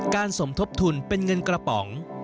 สมทบทุนเป็นเงินกระป๋อง